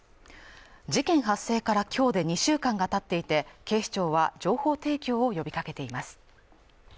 事件発生から今日で２週間がたっていて警視庁は情報提供を呼びかけています